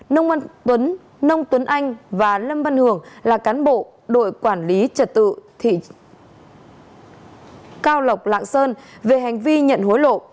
nông tuấn anh và lâm văn hường là cán bộ đội quản lý trật tự thị cao lọc lạng sơn về hành vi nhận hối lộ